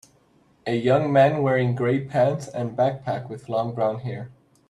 a young man wearing gray pants and backpack with long brown hair